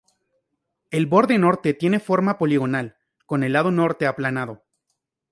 El borde norte tiene forma poligonal, con el lado norte aplanado.